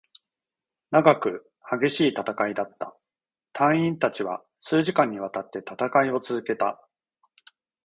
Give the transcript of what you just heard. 長く、激しい戦いだった。隊員達は数時間に渡って戦いを続けた。